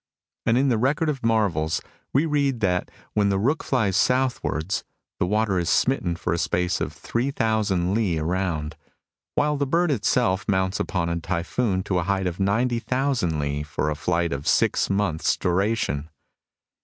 And in the Record of Marvels we read that when the rukh flies southwards, the water is smitten for a space of three thousand li around, while the bird itself mounts upon a typhoon to a height of ninety thousand li, for a fOght of six months' duration.